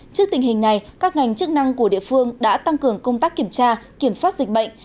trước tình hình này các ngành chức năng của địa phương đã tăng cường công tác kiểm tra kiểm soát dịch bệnh